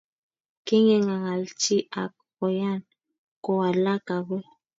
kingi ngalalchi ak koyan kowalak agoi